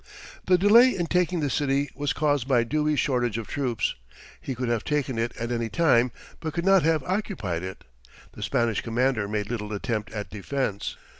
The delay in taking the city was caused by Dewey's shortage of troops. He could have taken it at any time, but could not have occupied it. The Spanish commander made little attempt at defense.